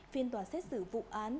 phiên tòa xét xử vụ án